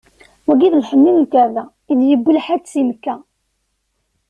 Wagi d lḥenni n Lkeɛba, i d-yewwi lḥaǧ si Mekka.